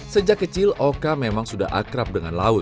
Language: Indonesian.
sejak kecil oka memang sudah akrab dengan laut